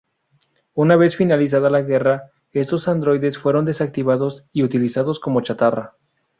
Una vez finalizada la guerra, estos androides fueron desactivados y utilizados como chatarra.